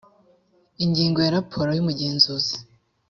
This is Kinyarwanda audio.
ingingo ya raporo y umugenzuzi